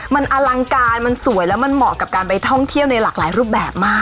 มันอลังการมันสวยแล้วมันเหมาะกับการไปท่องเที่ยวในหลากหลายรูปแบบมาก